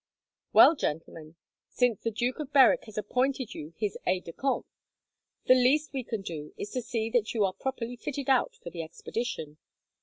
"Well, gentlemen, since the Duke of Berwick has appointed you his aides de camp, the least we can do is to see that you are properly fitted out for the expedition.